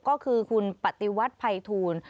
ก็คือคุณปฏิวัติภัยทูล